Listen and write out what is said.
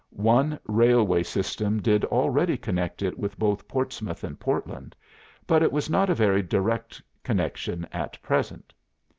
One railway system did already connect it with both Portsmouth and Portland, but it was not a very direct connection at present.